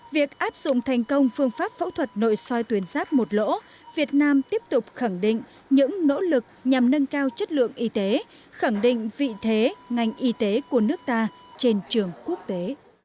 việc áp dụng thành công phương pháp phẫu thuật nội soi tuyến giáp một lỗ việt nam tiếp tục khẳng định những nỗ lực nhằm nâng cao chất lượng y tế khẳng định vị thế ngành y tế của nước ta trên trường quốc tế